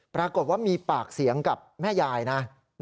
ปรากฏว่ามีปากเสียงกับแม่ยายนะ